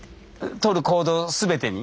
とる行動全てに？